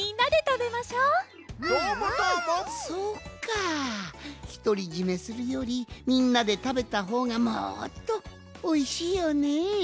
そっかひとりじめするよりみんなでたべたほうがもっとおいしいよねえ。